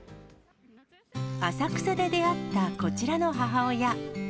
浅草で出会ったこちらの母親。